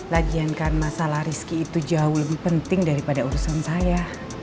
lagian kan masalah rizky itu jauh lebih penting daripada urusan saya